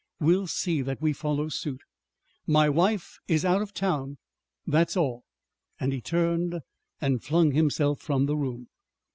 We'll see that we follow suit. My wife is out of town! That's all!" And he turned and flung himself from the room.